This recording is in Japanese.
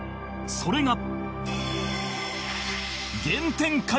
それが